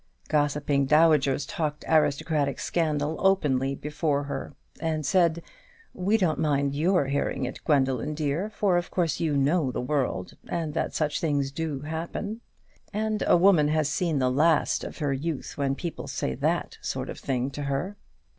Gossipping dowagers talked aristocratic scandal openly before her, and said, "We don't mind your hearing it, Gwendoline dear, for of course you know the world, and that such things do happen;" and a woman has seen the last of her youth when people say that sort of thing to her.